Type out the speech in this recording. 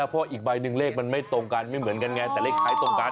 เพราะอีกใบหนึ่งเลขมันไม่ตรงกันไม่เหมือนกันไงแต่เลขท้ายตรงกัน